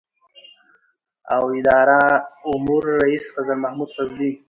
د اداره امور رئیس فضل محمود فضلي